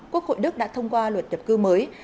quốc hội đức đã thông qua luật nhập cư mới